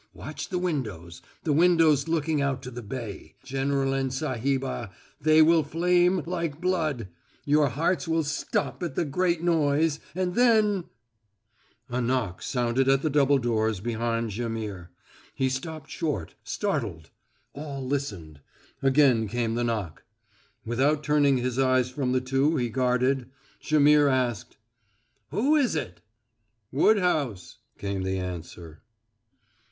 Watch the windows the windows looking out to the bay, General and Sahibah. They will flame like blood. Your hearts will stop at the great noise, and then " A knock sounded at the double doors behind Jaimihr. He stopped short, startled. All listened. Again came the knock. Without turning his eyes from the two he guarded, Jaimihr asked: "Who is it?" "Woodhouse," came the answer.